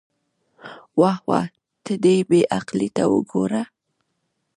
واه واه، ته دې بې عقلۍ ته وګوره.